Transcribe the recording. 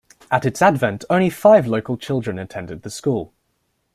At its advent, only five local children attended the school.